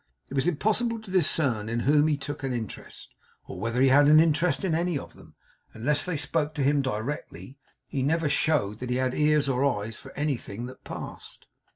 It was impossible to discern in whom he took an interest, or whether he had an interest in any of them. Unless they spoke to him directly, he never showed that he had ears or eyes for anything that passed.